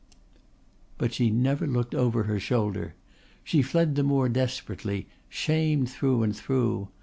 But she never looked over her shoulder. She fled the more desperately, shamed through and through!